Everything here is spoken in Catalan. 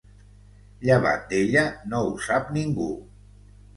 Llevat d'ella, no ho sap ningú.